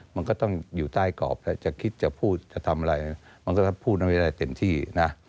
มันก็ต้องอยู่ใต้กรอบแล้วจะคิดจะพูดจะทำอะไรมันก็พูดนั้นไม่ได้เต็มที่นะ